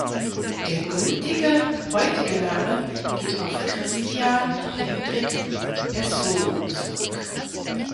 Der gültige heutige Name geht auf Christiaan Hendrik Persoon zurück.